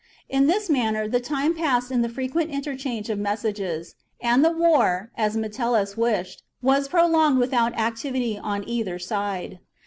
In this manner the time passed in the frequent interchange of messages, and the war, as Metellus wished, was prolonged with out activity on either side.